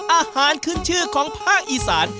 อาหารขึ้นชื่อของภาคอีสาน